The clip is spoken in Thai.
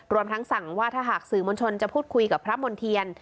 รวมทั้งสั่งว่าถ้าหากสื่อมวลชนจะพูดคุยกับพระมณ์เทียน